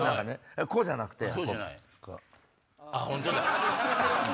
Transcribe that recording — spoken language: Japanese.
こうじゃなくてこう。